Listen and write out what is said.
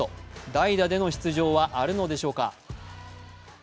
代打での出場はあるのでしょうか。